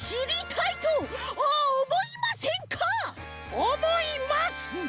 おもいます！